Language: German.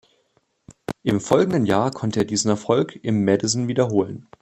Im folgenden Jahr konnte er diesen Erfolg im Madison wiederholen.